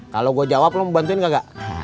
kalo gua jawab lu mau bantuin gak gak